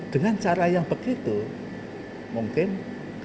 dengan cara yang begitu mungkin kesejahteraan nelayan akan berubah